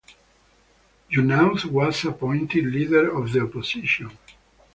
Jugnauth was appointed Leader of the Opposition.